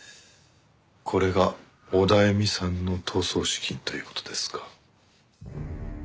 これがオダエミさんの逃走資金という事ですか。